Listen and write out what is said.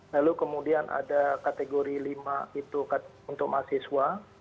lalu kemudian ada kategori lima itu untuk mahasiswa